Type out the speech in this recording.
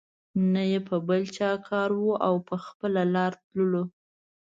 نه یې په بل چا کار وو او په خپله لار تللو.